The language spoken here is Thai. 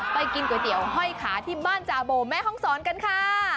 กินก๋วยเตี๋ยวห้อยขาที่บ้านจาโบแม่ห้องศรกันค่ะ